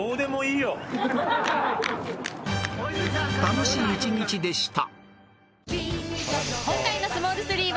［楽しい一日でした］